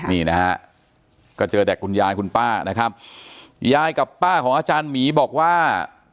นี่นะฮะก็เจอแต่คุณยายคุณป้านะครับยายกับป้าของอาจารย์หมีบอกว่า